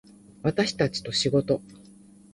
私たちと仕事